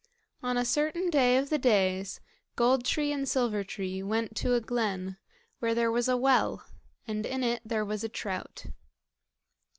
On a certain day of the days, Gold tree and Silver tree went to a glen, where there was a well, and in it there was a trout.